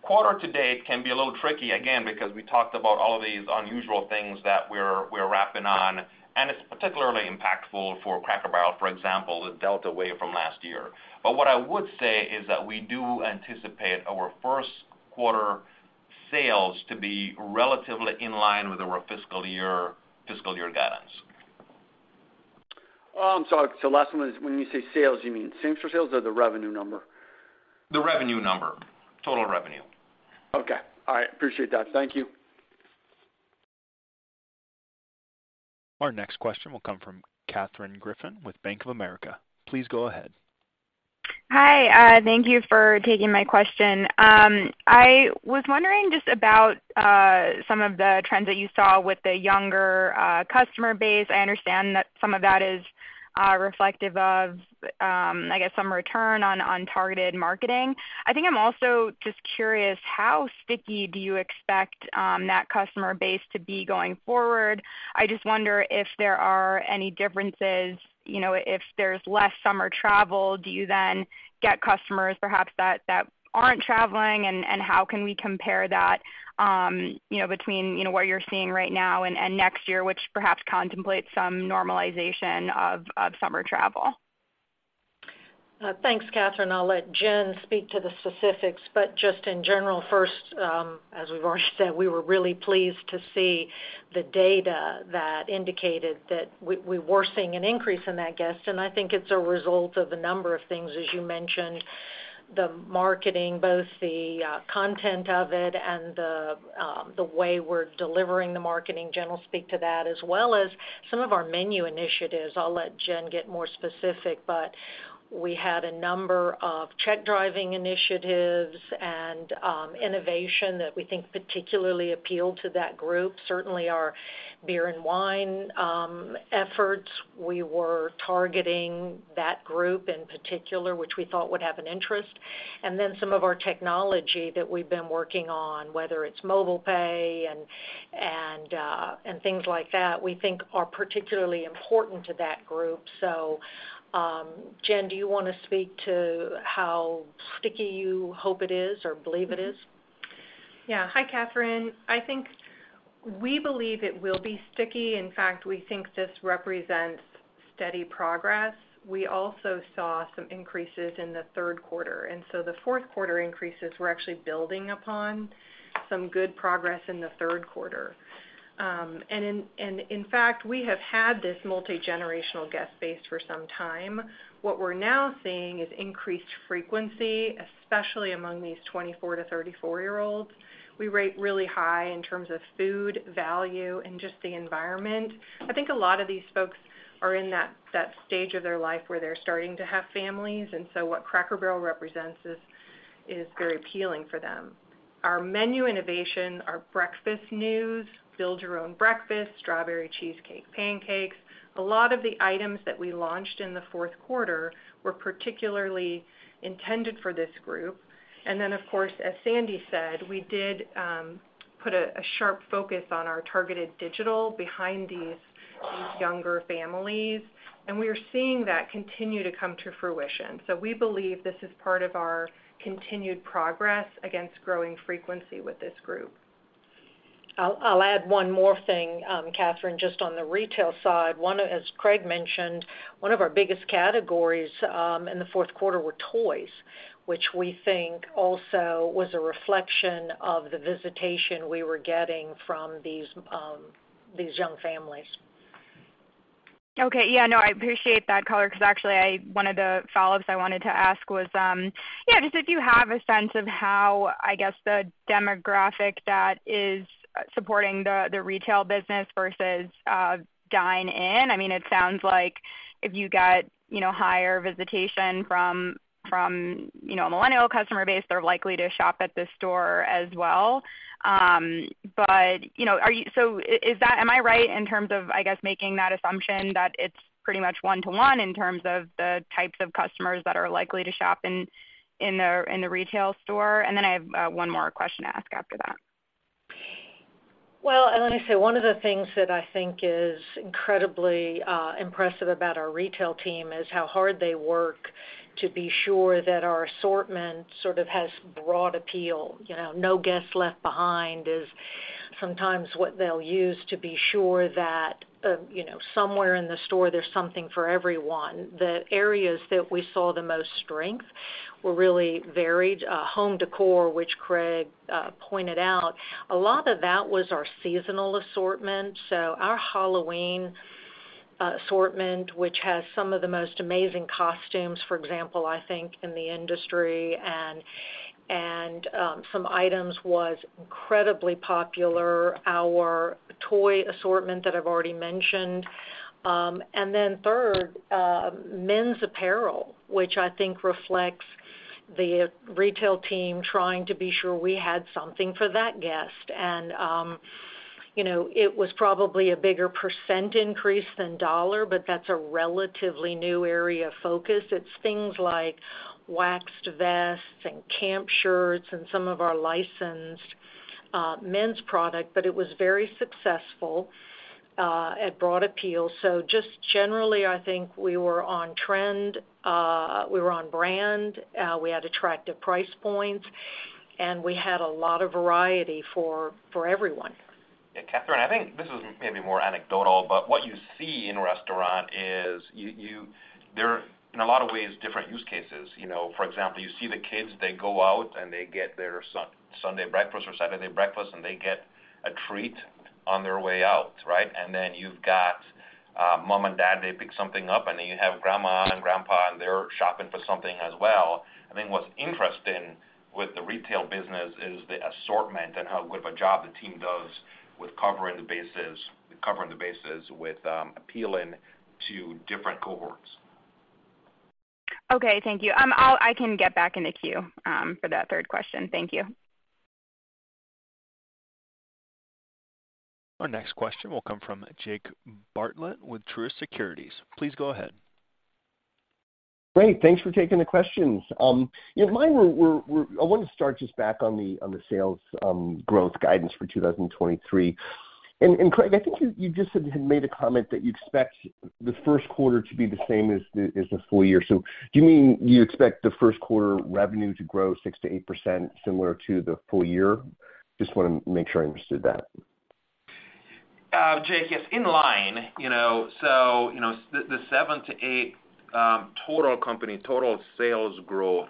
quarter to date can be a little tricky again because we talked about all of these unusual things that we're wrapping on, and it's particularly impactful for Cracker Barrel, for example, the Delta wave from last year. What I would say is that we do anticipate our first quarter sales to be relatively in line with our fiscal year guidance. Last one is when you say sales, you mean same-store sales or the revenue number? The revenue number, total revenue. Okay. All right. Appreciate that. Thank you. Our next question will come from Katherine Griffin with Bank of America. Please go ahead. Hi. Thank you for taking my question. I was wondering just about some of the trends that you saw with the younger customer base. I understand that some of that is reflective of, I guess, some return on targeted marketing. I think I'm also just curious, how sticky do you expect that customer base to be going forward? I just wonder if there are any differences, you know, if there's less summer travel, do you then get customers perhaps that aren't traveling? How can we compare that, you know, between what you're seeing right now and next year, which perhaps contemplates some normalization of summer travel? Thanks, Katherine. I'll let Jen speak to the specifics. Just in general, first, as we've already said, we were really pleased to see the data that indicated that we were seeing an increase in that guest, and I think it's a result of a number of things, as you mentioned, the marketing, both the content of it and the way we're delivering the marketing. Jen will speak to that as well as some of our menu initiatives. I'll let Jen get more specific. We had a number of check driving initiatives and innovation that we think particularly appealed to that group. Certainly our beer and wine efforts, we were targeting that group in particular, which we thought would have an interest. Some of our technology that we've been working on, whether it's mobile pay and things like that, we think are particularly important to that group. Jen, do you wanna speak to how sticky you hope it is or believe it is? Yeah. Hi, Katherine. I think we believe it will be sticky. In fact, we think this represents steady progress. We also saw some increases in the third quarter, and so the fourth quarter increases were actually building upon some good progress in the third quarter. In fact, we have had this multigenerational guest base for some time. What we're now seeing is increased frequency, especially among these 24-34 year old. We rate really high in terms of food value and just the environment. I think a lot of these folks are in that stage of their life where they're starting to have families, and so what Cracker Barrel represents is very appealing for them. Our menu innovation, our breakfast news, build your own breakfast, strawberry cheesecake pancakes, a lot of the items that we launched in the fourth quarter were particularly intended for this group. Of course, as Sandy said, we did put a sharp focus on our targeted digital behind these younger families, and we are seeing that continue to come to fruition. We believe this is part of our continued progress against growing frequency with this group. I'll add one more thing, Katherine, just on the retail side. As Craig mentioned, one of our biggest categories in the fourth quarter were toys, which we think also was a reflection of the visitation we were getting from these young families. Okay, yeah, no, I appreciate that color 'cause actually one of the follow-ups I wanted to ask was, yeah, just if you have a sense of how, I guess, the demographic that is supporting the retail business versus dine in. I mean, it sounds like if you got, you know, higher visitation from, you know, a millennial customer base, they're likely to shop at the store as well. You know, am I right in terms of, I guess, making that assumption that it's pretty much one-to-one in terms of the types of customers that are likely to shop in the retail store? I have one more question to ask after that. Well, let me say, one of the things that I think is incredibly impressive about our retail team is how hard they work to be sure that our assortment sort of has broad appeal. You know, no guest left behind is sometimes what they'll use to be sure that, you know, somewhere in the store there's something for everyone. The areas that we saw the most strength were really varied. Home decor, which Craig pointed out, a lot of that was our seasonal assortment. Our Halloween assortment, which has some of the most amazing costumes, for example, I think, in the industry and some items was incredibly popular. Our toy assortment that I've already mentioned. Third, men's apparel, which I think reflects the retail team trying to be sure we had something for that guest. You know, it was probably a bigger percent increase than dollar, but that's a relatively new area of focus. It's things like waxed vests and camp shirts and some of our licensed, men's product, but it was very successful, at broad appeal. Just generally, I think we were on trend, we were on brand, we had attractive price points, and we had a lot of variety for everyone. Yeah, Katherine, I think this is maybe more anecdotal, but what you see in restaurant is there are, in a lot of ways, different use cases. You know, for example, you see the kids, they go out, and they get their Sunday breakfast or Saturday breakfast, and they get a treat on their way out, right? Then you've got mom and dad, they pick something up, and then you have grandma and grandpa, and they're shopping for something as well. I think what's interesting with the retail business is the assortment and how good of a job the team does with covering the bases with appealing to different cohorts. Okay, thank you. I can get back in the queue for that third question. Thank you. Our next question will come from Jake Bartlett with Truist Securities. Please go ahead. Great. Thanks for taking the questions. Yeah, mine were. I wanted to start just back on the sales growth guidance for 2023. Craig, I think you just had made a comment that you expect the first quarter to be the same as the full year. Do you mean you expect the first quarter revenue to grow 6%-8%, similar to the full year? Just wanna make sure I understood that. Jake, yes, in line, you know. You know, the 7%-8% total company total sales growth,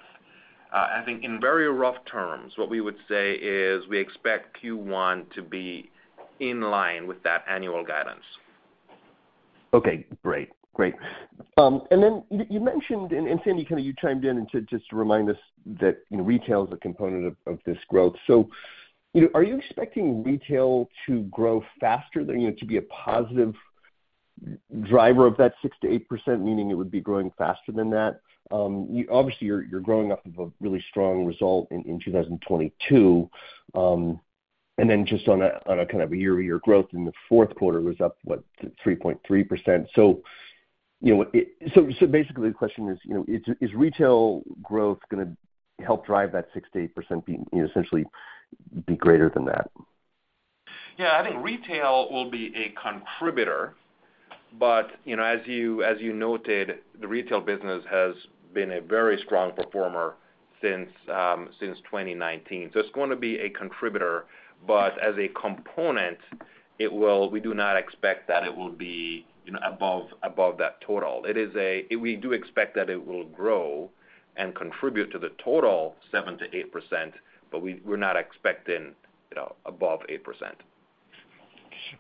I think in very rough terms, what we would say is we expect Q1 to be in line with that annual guidance. Okay, great. You mentioned, and Sandy kinda chimed in just to remind us that, you know, retail is a component of this growth. You know, are you expecting retail to grow faster than you know, to be a positive driver of that 6%-8%, meaning it would be growing faster than that? Obviously, you're growing off of a really strong result in 2022. Just on a kind of a year-over-year growth in the fourth quarter was up, what, 3.3%. You know what? Basically, the question is, you know, is retail growth gonna help drive that 6%-8% being, you know, essentially be greater than that? Yeah. I think retail will be a contributor, but, you know, as you noted, the retail business has been a very strong performer since 2019. It's gonna be a contributor, but as a component, we do not expect that it will be, you know, above that total. We do expect that it will grow and contribute to the total 7%-8%, but we're not expecting, you know, above 8%.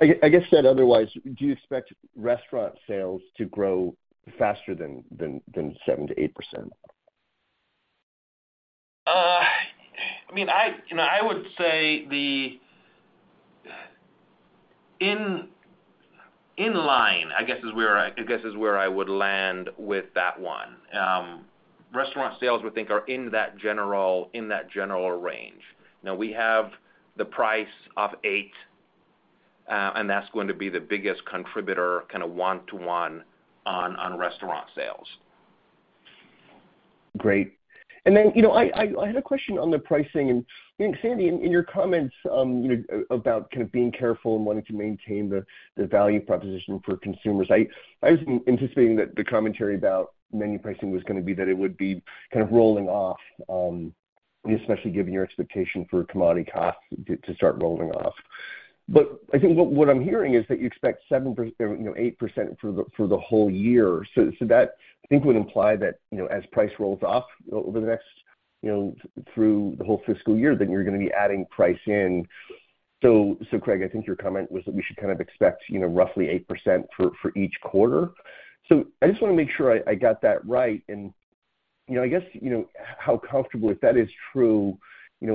I guess, absent otherwise, do you expect restaurant sales to grow faster than 7%-8%? I mean, you know, I would say in line, I guess is where I would land with that one. Restaurant sales we think are in that general range. Now, we have the price of eight, and that's going to be the biggest contributor, kinda one to one on restaurant sales. Great. Then, you know, I had a question on the pricing and, you know, Sandy, in your comments, you know, about kind of being careful and wanting to maintain the value proposition for consumers. I was anticipating that the commentary about menu pricing was gonna be that it would be kind of rolling off, especially given your expectation for commodity costs to start rolling off. I think what I'm hearing is that you expect 7%, you know, 8% for the whole year. That, I think, would imply that, you know, as price rolls off over the next, you know, through the whole fiscal year, then you're gonna be adding price in. Craig, I think your comment was that we should kind of expect, you know, roughly 8% for each quarter. I just wanna make sure I got that right. You know, I guess, you know, how comfortable, if that is true, you know,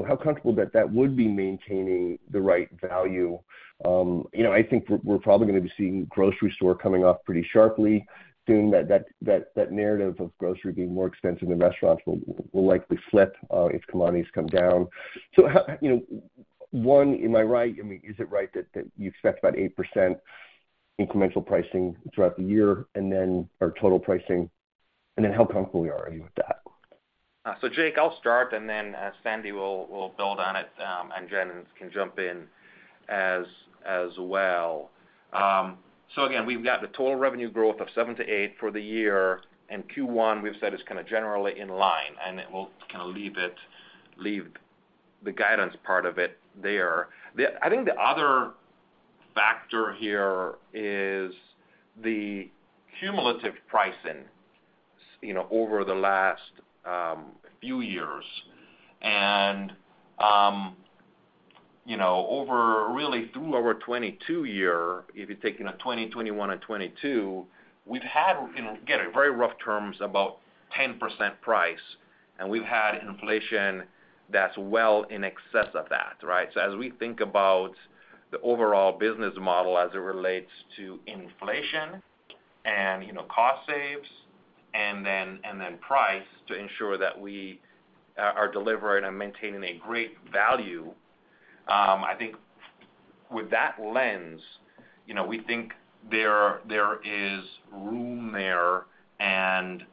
how comfortable that would be maintaining the right value. You know, I think we're probably gonna be seeing grocery store coming off pretty sharply, assuming that narrative of grocery being more expensive than restaurants will likely flip, if commodities come down. How, you know, one, am I right? I mean, is it right that you expect about 8% incremental pricing throughout the year and then or total pricing, and then how comfortable you are with that? Jake, I'll start, and then Sandy will build on it, and Jen can jump in as well. Again, we've got the total revenue growth of 7%-8% for the year, and Q1, we've said, is kinda generally in line, and then we'll kinda leave it, leave the guidance part of it there. I think the other factor here is the cumulative pricing, you know, over the last few years. You know, over really through our 2022 year, if you're taking a 2020, 2021, and 2022, we've had, you know, again, in very rough terms, about 10% price, and we've had inflation that's well in excess of that, right? As we think about the overall business model as it relates to inflation and, you know, cost savings and then price to ensure that we are delivering and maintaining a great value, I think with that lens, you know, we think there is room there and,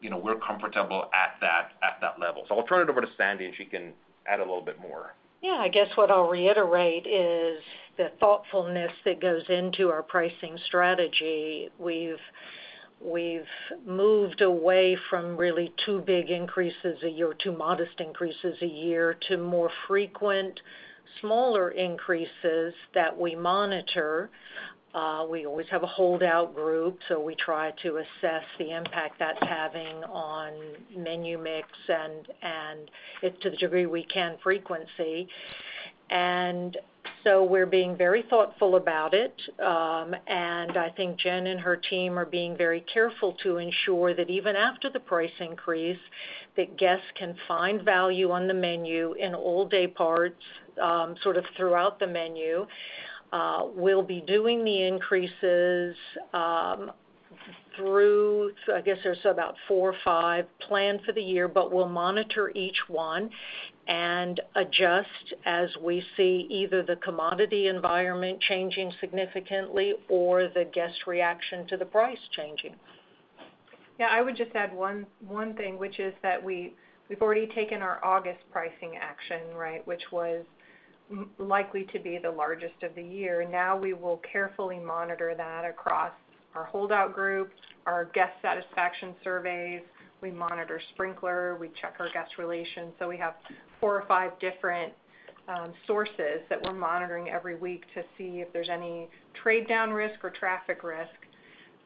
you know, we're comfortable at that level. I'll turn it over to Sandy, and she can add a little bit more. Yeah. I guess what I'll reiterate is the thoughtfulness that goes into our pricing strategy. We've moved away from really two big increases a year or two modest increases a year to more frequent smaller increases that we monitor. We always have a hold-out group, so we try to assess the impact that's having on menu mix and, if to the degree we can, frequency. We're being very thoughtful about it, and I think Jen and her team are being very careful to ensure that even after the price increase, that guests can find value on the menu in all day parts, sort of throughout the menu. We'll be doing the increases, so I guess there's about four or five planned for the year, but we'll monitor each one and adjust as we see either the commodity environment changing significantly or the guest reaction to the price changing. Yeah. I would just add one thing, which is that we've already taken our August pricing action, right? Which was most likely to be the largest of the year. Now we will carefully monitor that across our holdout group, our guest satisfaction surveys. We monitor Sprinklr. We check our guest relations. We have four or five different sources that we're monitoring every week to see if there's any trade down risk or traffic risk.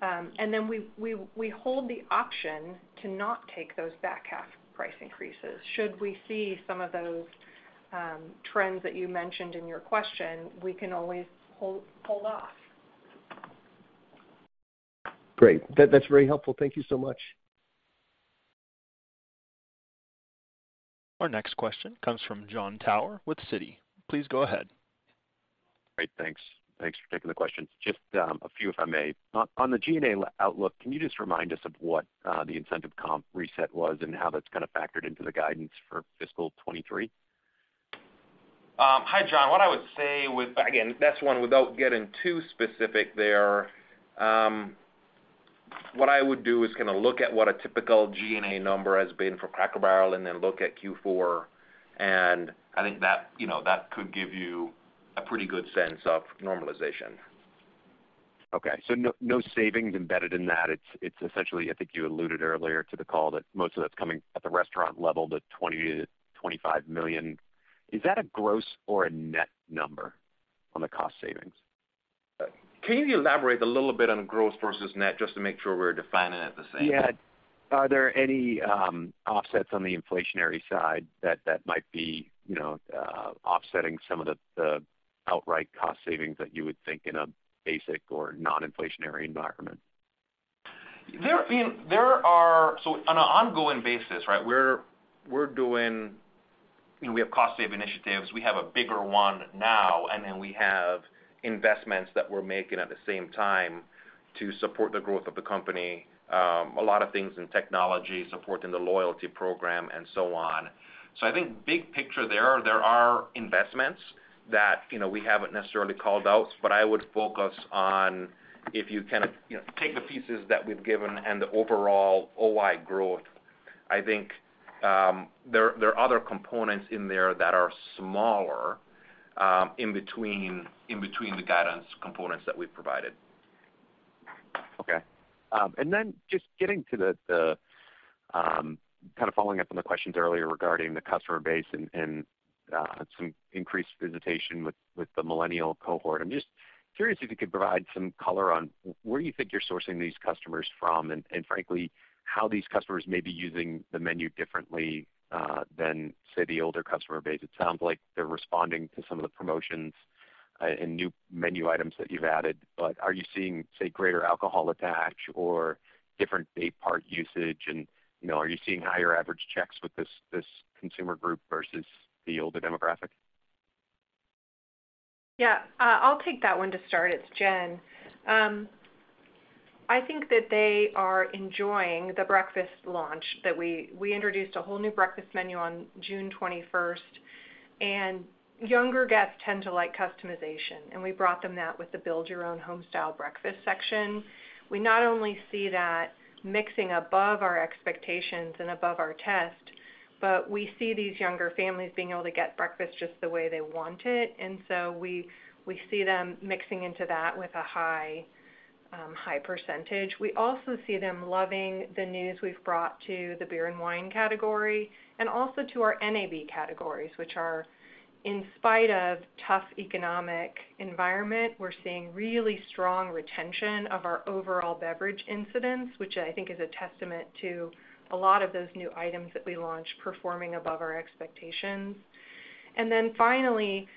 And then we hold the option to not take those back half price increases. Should we see some of those trends that you mentioned in your question, we can always pull off. Great. That's very helpful. Thank you so much. Our next question comes from Jon Tower with Citi. Please go ahead. Great. Thanks. Thanks for taking the questions. Just, a few if I may. On the G&A outlook, can you just remind us of what, the incentive comp reset was and how that's kind of factored into the guidance for fiscal 2023? Hi, Jon. What I would say again, that's one without getting too specific there. What I would do is kinda look at what a typical G&A number has been for Cracker Barrel and then look at Q4, and I think that, you know, that could give you a pretty good sense of normalization. Okay. No savings embedded in that. It's essentially, I think you alluded earlier to the call that most of that's coming at the restaurant level, the $20-$25 million. Is that a gross or a net number on the cost savings? Can you elaborate a little bit on gross versus net just to make sure we're defining it the same? Yeah. Are there any offsets on the inflationary side that might be, you know, offsetting some of the outright cost savings that you would think in a basic or non-inflationary environment? I mean, there are. On an ongoing basis, right, we're doing, you know, we have cost-saving initiatives. We have a bigger one now, and then we have investments that we're making at the same time to support the growth of the company, a lot of things in technology, supporting the loyalty program and so on. I think big picture, there are investments that, you know, we haven't necessarily called out, but I would focus on if you can, you know, take the pieces that we've given and the overall OI growth. I think, there are other components in there that are smaller, in between the guidance components that we've provided. Just getting to the kind of following up on the questions earlier regarding the customer base and some increased visitation with the millennial cohort. I'm just curious if you could provide some color on where you think you're sourcing these customers from and frankly, how these customers may be using the menu differently than say, the older customer base. It sounds like they're responding to some of the promotions and new menu items that you've added. Are you seeing say, greater alcohol attach or different day part usage? You know, are you seeing higher average checks with this consumer group versus the older demographic? Yeah. I'll take that one to start. It's Jen. I think that they are enjoying the breakfast launch. We introduced a whole new breakfast menu on June 21, and younger guests tend to like customization, and we brought them that with the Build Your Own Homestyle Breakfast section. We not only see that mixing above our expectations and above our test, but we see these younger families being able to get breakfast just the way they want it. We see them mixing into that with a high percentage. We also see them loving the news we've brought to the beer and wine category and also to our NAB categories, which are, in spite of tough economic environment, we're seeing really strong retention of our overall beverage incidence, which I think is a testament to a lot of those new items that we launched performing above our expectations. Then finally,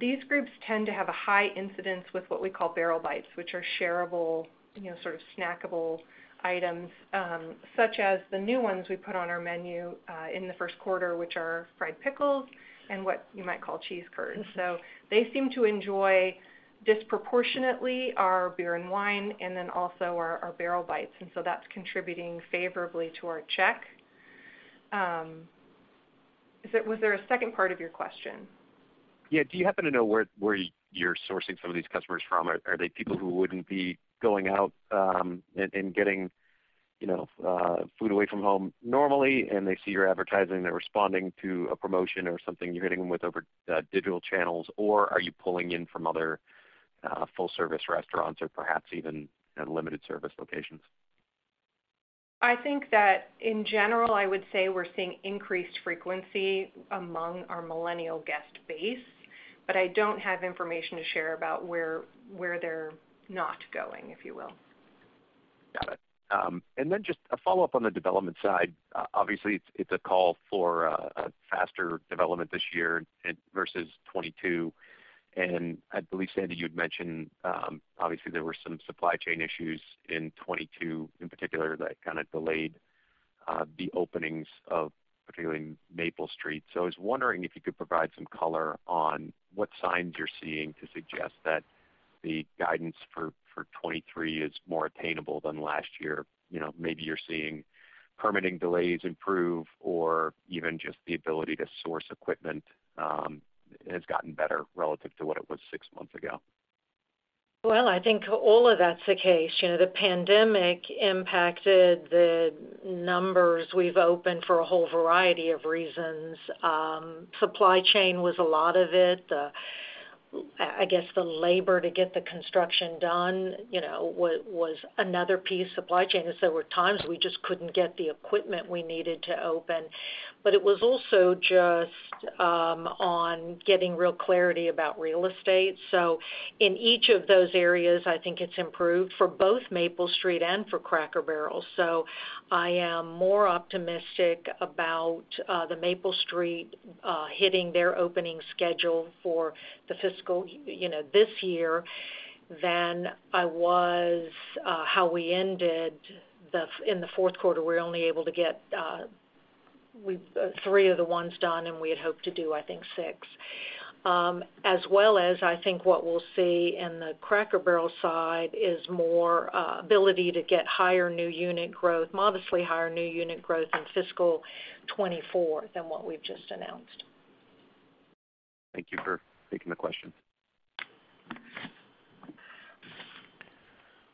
these groups tend to have a high incidence with what we call Barrel Bites, which are shareable, you know, sort of snackable items, such as the new ones we put on our menu in the first quarter, which are Country Fried Pickles and what you might call White Cheddar Cheese Bites. They seem to enjoy disproportionately our beer and wine and then also our Barrel Bites, and so that's contributing favorably to our check. Was there a second part of your question? Yeah. Do you happen to know where you're sourcing some of these customers from? Are they people who wouldn't be going out and getting, you know, food away from home normally, and they see your advertising, they're responding to a promotion or something you're hitting them with over digital channels? Or are you pulling in from other full service restaurants or perhaps even at limited service locations? I think that in general, I would say we're seeing increased frequency among our millennial guest base, but I don't have information to share about where they're not going, if you will. Got it. Just a follow-up on the development side. Obviously it's a call for a faster development this year and versus 2022. I believe, Sandy, you'd mentioned, obviously there were some supply chain issues in 2022 in particular that kind of delayed the openings of particularly Maple Street. I was wondering if you could provide some color on what signs you're seeing to suggest that the guidance for 2023 is more attainable than last year. You know, maybe you're seeing permitting delays improve or even just the ability to source equipment has gotten better relative to what it was six months ago. Well, I think all of that's the case. You know, the pandemic impacted the numbers we've opened for a whole variety of reasons. Supply chain was a lot of it. I guess, the labor to get the construction done, you know, was another piece. Supply chain, there were times we just couldn't get the equipment we needed to open. It was also just on getting real clarity about real estate. In each of those areas, I think it's improved for both Maple Street and for Cracker Barrel. I am more optimistic about the Maple Street hitting their opening schedule for the fiscal, you know, this year than I was how we ended. In the fourth quarter, we were only able to get three of the ones done, and we had hoped to do, I think, six. As well as, I think what we'll see in the Cracker Barrel side is more ability to get modestly higher new unit growth in fiscal 2024 than what we've just announced. Thank you for taking the question.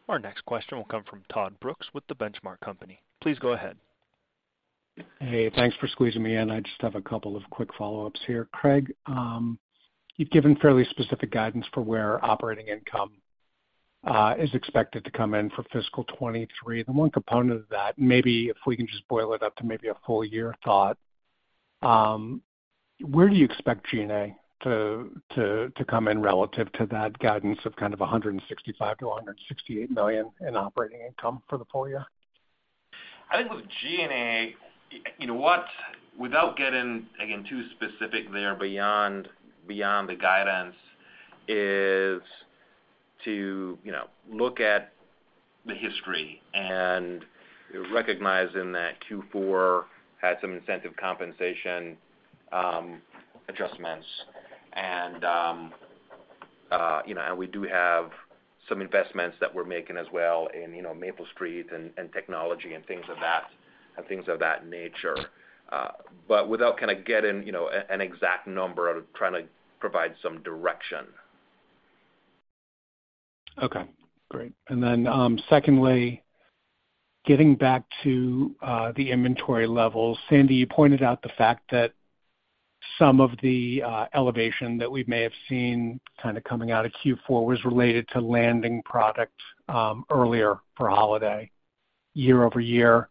Our next question will come from Todd Brooks with The Benchmark Company. Please go ahead. Hey, thanks for squeezing me in. I just have a couple of quick follow-ups here. Craig, you've given fairly specific guidance for where operating income is expected to come in for fiscal 2023. The one component of that, maybe if we can just boil it up to maybe a full year thought, where do you expect G&A to come in relative to that guidance of kind of $165 million-$168 million in operating income for the full year? I think with G&A, you know, without getting, again, too specific there beyond the guidance is to, you know, look at the history and recognizing that Q4 had some incentive compensation adjustments. You know, we do have some investments that we're making as well in, you know, Maple Street and technology and things of that nature. But without kind of getting, you know, an exact number or trying to provide some direction. Okay, great. Secondly, getting back to the inventory levels. Sandy, you pointed out the fact that some of the elevation that we may have seen kind of coming out of Q4 was related to landing product earlier for holiday year-over-year.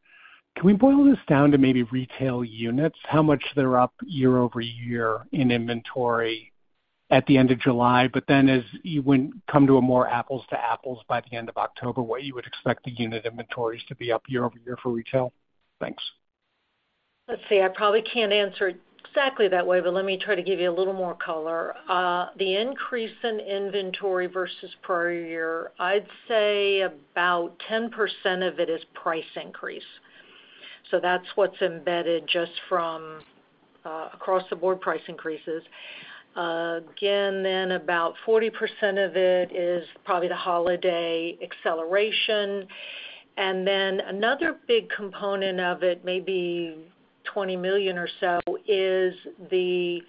Can we boil this down to maybe retail units? How much they're up year-over-year in inventory at the end of July, but then as you would come to a more apples to apples by the end of October, what you would expect the unit inventories to be up year-over-year for retail? Thanks. Let's see. I probably can't answer exactly that way, but let me try to give you a little more color. The increase in inventory versus prior year, I'd say about 10% of it is price increase. That's what's embedded just from across the board price increases. Again, about 40% of it is probably the holiday acceleration. Another big component of it, maybe $20 million or so is the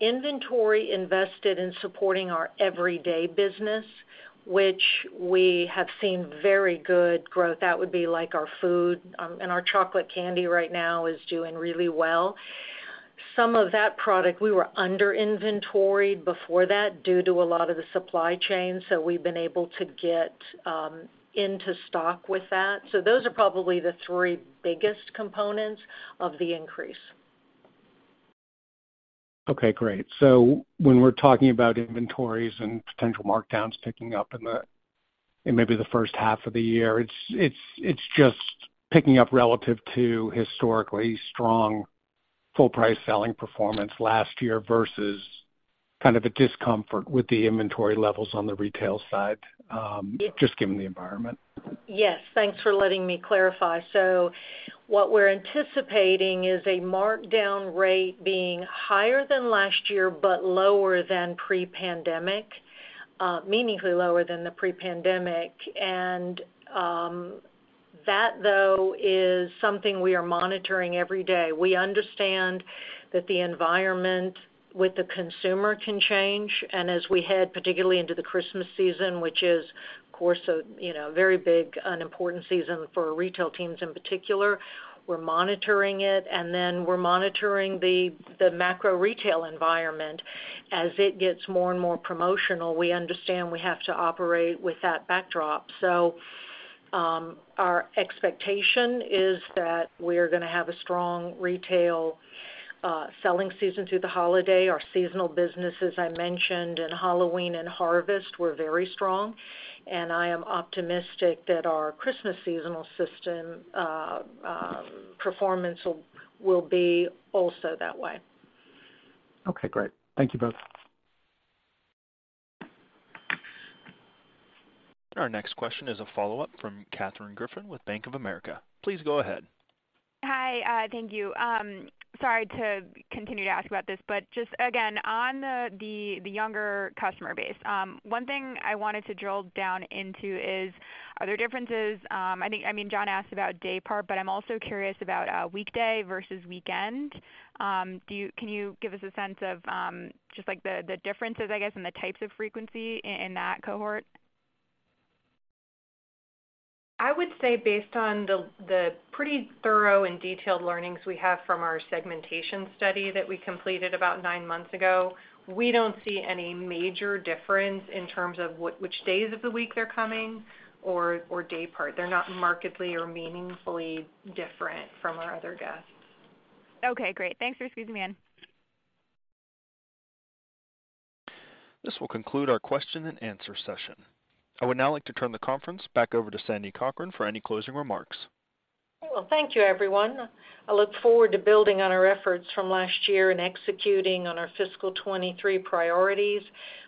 inventory invested in supporting our everyday business, which we have seen very good growth. That would be like our food. Our chocolate candy right now is doing really well. Some of that product we were under inventoried before that due to a lot of the supply chain, so we've been able to get into stock with that. Those are probably the three biggest components of the increase. Okay, great. When we're talking about inventories and potential markdowns picking up in maybe the first half of the year, it's just picking up relative to historically strong full price selling performance last year versus kind of a discomfort with the inventory levels on the retail side, just given the environment. Yes. Thanks for letting me clarify. What we're anticipating is a markdown rate being higher than last year, but lower than pre-pandemic, meaningfully lower than the pre-pandemic. That, though, is something we are monitoring every day. We understand that the environment with the consumer can change, and as we head particularly into the Christmas season, which is of course you know, very big and important season for our retail teams in particular, we're monitoring it, and then we're monitoring the macro retail environment. As it gets more and more promotional, we understand we have to operate with that backdrop. Our expectation is that we're gonna have a strong retail selling season through the holiday. Our seasonal business, as I mentioned, and Halloween and harvest were very strong. I am optimistic that our Christmas seasonal system performance will be also that way. Okay, great. Thank you both. Our next question is a follow-up from Katherine Griffin with Bank of America. Please go ahead. Hi. Thank you. Sorry to continue to ask about this, but just again on the younger customer base, one thing I wanted to drill down into is, are there differences? I mean, Jon asked about daypart, but I'm also curious about weekday versus weekend. Can you give us a sense of just like the differences, I guess, and the types of frequency in that cohort? I would say based on the pretty thorough and detailed learnings we have from our segmentation study that we completed about nine months ago, we don't see any major difference in terms of which days of the week they're coming or day part. They're not markedly or meaningfully different from our other guests. Okay, great. Thanks for squeezing me in. This will conclude our question and answer session. I would now like to turn the conference back over to Sandy Cochran for any closing remarks. Well, thank you, everyone. I look forward to building on our efforts from last year and executing on our fiscal 2023 priorities.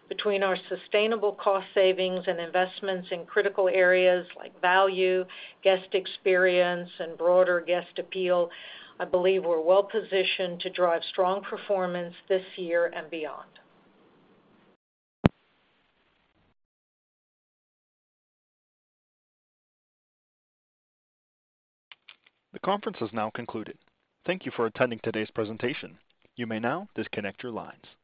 Between our sustainable cost savings and investments in critical areas like value, guest experience, and broader guest appeal, I believe we're well positioned to drive strong performance this year and beyond. The conference has now concluded. Thank you for attending today's presentation. You may now disconnect your lines.